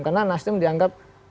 karena nasdem dianggap